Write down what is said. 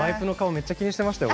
めっちゃ気にしてましたよ